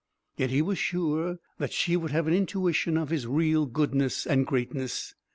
Yet he was sure she would have an intuition of his real greatness and goodness.